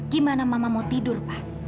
gimana mama mau tidur pak